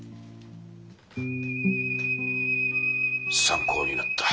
参考になった。